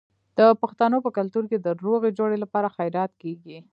د پښتنو په کلتور کې د روغې جوړې لپاره خیرات کیږي.